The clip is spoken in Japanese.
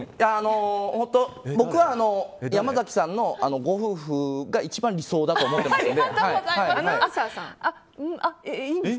本当に僕は山崎さんのご夫婦が一番理想だと思ってますので。